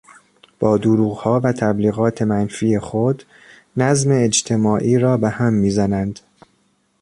با دروغها و تبلیغات منفی خود نظم اجتماعی را به هم میزنند.